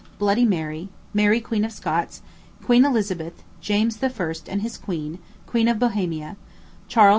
Bloody Mary, Mary, Queen of Scots, Queen Elizabeth, James I. and his queen, Queen of Bohemia, Charles II.